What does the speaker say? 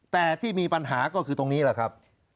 แต่ที่มีปัญหาก็คือตรงนี้แหละครับ